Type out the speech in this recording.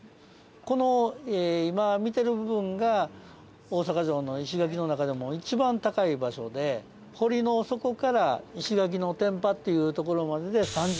この今見てる部分が大阪城の石垣の中でも一番高い場所で堀の底から石垣の天端っていう所までで３２ｍ。